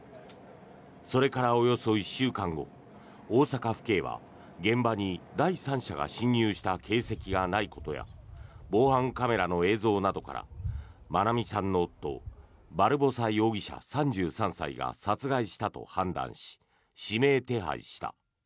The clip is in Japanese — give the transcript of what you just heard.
それからおよそ１週間後大阪府警は現場に第三者が侵入した形跡がないことや防犯カメラの映像などから愛美さんの夫バルボサ容疑者、３３歳が殺害したと判断し指名手配した。